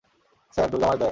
Sir, Durga মায়ের দয়া।